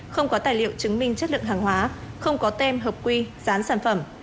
không có tài liệu chứng minh chất lượng hàng hóa không có tem hợp quy gián sản phẩm